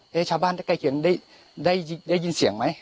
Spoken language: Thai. เฮ้ยชาวบ้านใกล้เค๋นได้ยินเสียงไหม